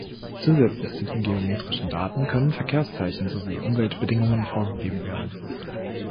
Zusätzlich zu diesen geometrischen Daten können Verkehrszeichen sowie Umweltbedingungen vorgegeben werden.